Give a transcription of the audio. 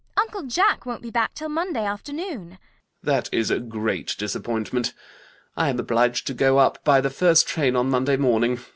Uncle Jack won't be back till Monday afternoon. ALGERNON. That is a great disappointment. I am obliged to go up by the first train on Monday morning.